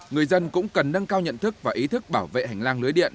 người dân cũng cần nâng cao nhận thức và ý thức bảo vệ hành lang lưới điện